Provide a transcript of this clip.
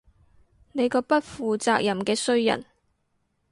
你個不負責任嘅衰人